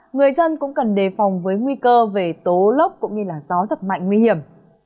người dân cũng cần đề phòng với nguy cơ về tố lốc cũng như gió giật mạnh nguy hiểm